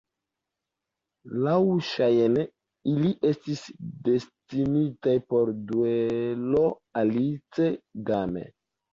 Laŭŝajne ili estis destinitaj por duelo "Alice Game".